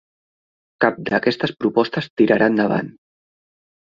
Cap d'aquestes propostes tirarà endavant.